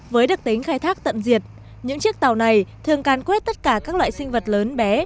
với đặc tính khai thác tận diệt những chiếc tàu này thường can quét tất cả các loại sinh vật lớn bé